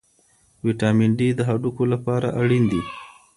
ویټامن ډي د هډوکو لپاره اړین دی.